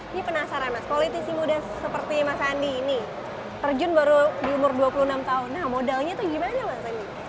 ini penasaran mas politisi muda seperti mas andi ini terjun baru di umur dua puluh enam tahun nah modalnya tuh gimana mas andi